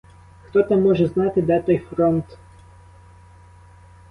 Хто там може знати, де той фронт?